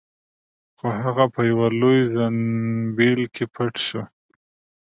خو هغه په یوه لوی زنبیل کې پټ شو.